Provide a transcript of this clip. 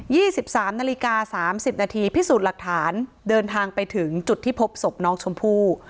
สิบสามนาฬิกาสามสิบนาทีพิสูจน์หลักฐานเดินทางไปถึงจุดที่พบศพน้องชมพู่